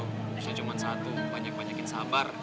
misalnya cuma satu banyak banyakin sabar